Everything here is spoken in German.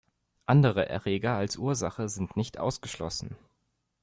Andere Erreger als Ursache sind nicht ausgeschlossen.